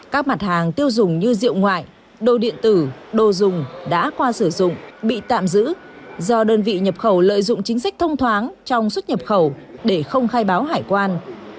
các mặt hàng tiêu dùng như rượu ngoại đồ điện tử đồ dùng đã qua sử dụng bị tạm giữ do đơn vị nhập khẩu lợi dụng chính sách thông thoáng trong xuất nhập khẩu để không khai báo hải quan